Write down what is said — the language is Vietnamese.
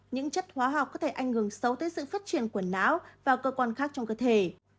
những chất hóa học có thể ảnh hưởng sâu tới sự phát triển của não và cơ quan khác trong cơ thể